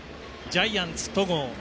ジャイアンツ、戸郷。